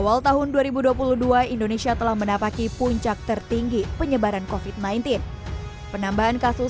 awal tahun dua ribu dua puluh dua indonesia telah menapaki puncak tertinggi penyebaran kofit sembilan belas penambahan kasus